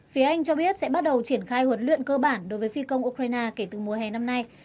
phía anh cho biết sẽ bắt đầu triển khai huấn luyện cơ bản đối với phi công ukraine kể từ mùa hè năm nay